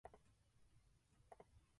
北海道赤平市